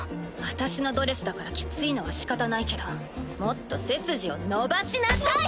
私のドレスだからきついのはしかたないけどもっと背筋を伸ばしなさい！